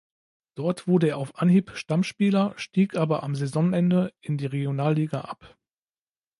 Dort wurde er auf Anhieb Stammspieler, stieg aber am Saisonende in die Regionalliga ab.